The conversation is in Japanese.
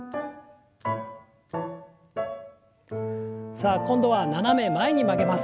さあ今度は斜め前に曲げます。